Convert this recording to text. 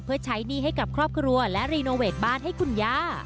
เพื่อใช้หนี้ให้กับครอบครัวและรีโนเวทบ้านให้คุณย่า